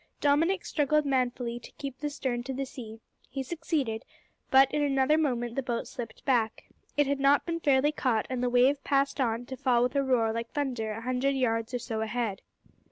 Dominick struggled manfully to keep the stern to the sea. He succeeded, but in another moment the boat slipped back. It had not been fairly caught, and the wave passed on to fall with a roar like thunder a hundred yards or so ahead.